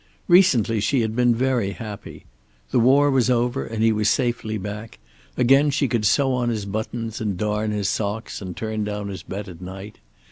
Recently she had been very happy. The war was over and he was safely back; again she could sew on his buttons and darn his socks, and turn down his bed at night.